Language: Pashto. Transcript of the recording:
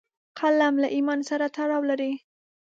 قلم له ایمان سره تړاو لري